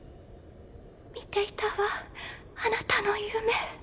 見ていたわあなたの夢。